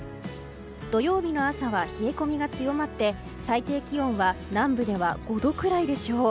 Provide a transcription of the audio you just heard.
土曜日の朝は冷え込みが強まって最低気温は南部では５度くらいでしょう。